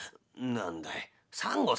何だい？